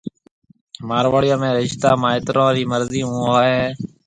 مارواڙيون ۾ رشتہ مائيترون رِي مرضي ھون ھوئيَ ھيََََ